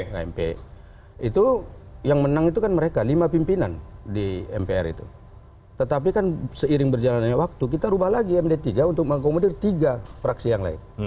nah itu yang menang itu kan mereka lima pimpinan di mpr itu tetapi kan seiring berjalannya waktu kita ubah lagi md tiga untuk mengakomodir tiga fraksi yang lain